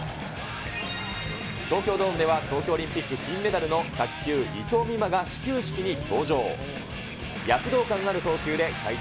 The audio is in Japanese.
東京ドームでは東京オリンピック金メダルの卓球、伊藤美誠が始球式に登場。